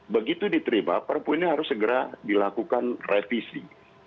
begitu diterima perpu ini harus segera dilakukan revisi